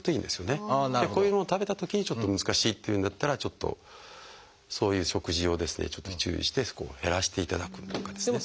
こういうのを食べたときにちょっと難しいっていうんだったらちょっとそういう食事をですね注意して減らしていただくとかですね。